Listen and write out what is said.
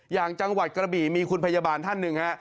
อย่างจังหวัดกระบี่มีคุณพยาบาลท่านหนึ่งฮะ